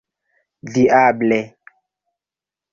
diable